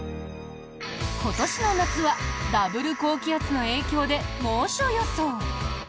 今年の夏はダブル高気圧の影響で猛暑予想。